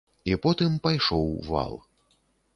І потым пайшоў вал.